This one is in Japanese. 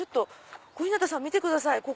小日向さん見てください。